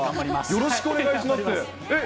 よろしくお願いします。